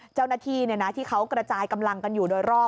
เจ้าหน้าที่ที่เขากระจายกำลังกันอยู่โดยรอบ